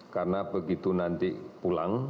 karena begitu nanti pulang